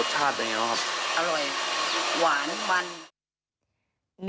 อร่อยหวานมัน